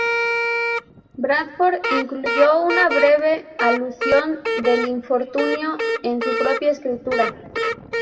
Bradford incluyó una breve alusión del infortunio en su propia escritura.